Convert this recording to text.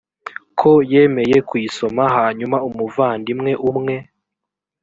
ko yemeye kuyisoma hanyuma umuvandimwe umwe